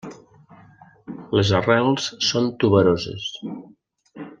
Les arrels són tuberoses.